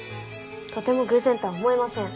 とても偶然とは思えません。